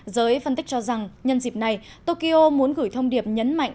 giới phân tích cho rằng nhân dịp này tokyo muốn gửi thông điệp nhấn mạnh